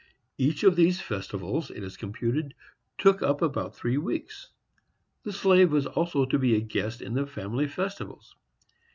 Each of these festivals, it is computed, took up about three weeks. The slave also was to be a guest in the family festivals.